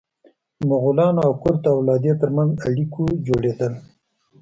د مغولانو او کرت د اولادې تر منځ اړیکو جوړېدل.